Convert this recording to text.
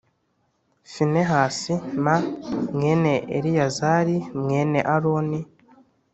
Finehasi m mwene Eleyazari mwene Aroni